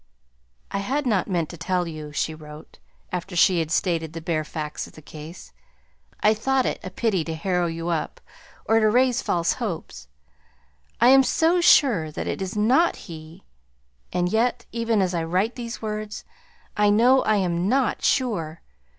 "I had not meant to tell you," she wrote, after she had stated the bare facts of the case. "I thought it a pity to harrow you up, or to raise false hopes. I am so sure it is not he and yet, even as I write these words, I know I am NOT sure.